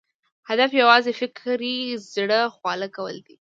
هدف یې یوازې فکري زړه خواله کول دي.